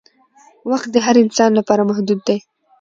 وخت د هر انسان لپاره محدود دی